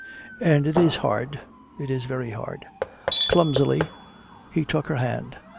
And it is hard it is very hard." Clumsily he took her hand.